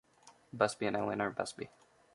Busby and Elinor Busby.